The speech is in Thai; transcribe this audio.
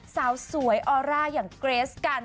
สาวสวยออร่าอย่างเกรสกัน